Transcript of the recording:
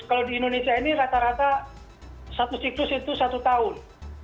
kalau di indonesia ini rata rata satu siklus itu satu tahun